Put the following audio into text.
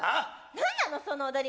何なのその踊り。